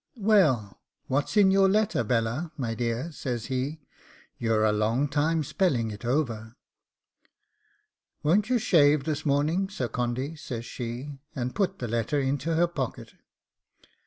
'Well, what's in your letter, Bella, my dear?' says he: 'you're a long time spelling it over.' 'Won't you shave this morning, Sir Condy?' says she, and put the letter into her pocket.